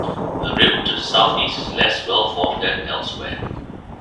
The rim to the southeast is less well-formed than elsewhere.